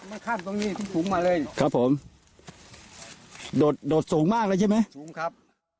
มาข้ามตรงนี้สูงมาเลยครับผมโดดโดดสูงมากเลยใช่ไหมสูงครับ